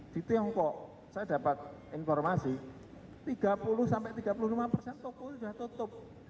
di tiongkok saya dapat informasi tiga puluh sampai tiga puluh lima persen toko sudah tutup